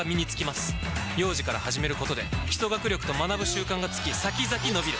幼児から始めることで基礎学力と学ぶ習慣がつき先々のびる！